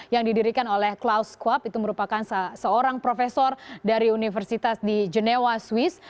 yang didirikan oleh klaus cup itu merupakan seorang profesor dari universitas di genewa swiss